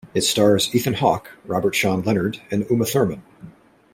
It stars Ethan Hawke, Robert Sean Leonard, and Uma Thurman.